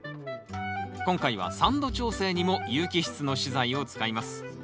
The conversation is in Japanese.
今回は酸度調整にも有機質の資材を使います。